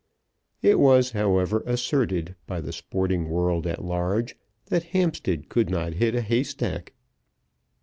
It was, however, asserted by the sporting world at large that Hampstead could not hit a haystack.